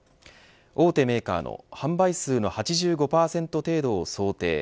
大手メーカーの販売数の８５％程度を想定。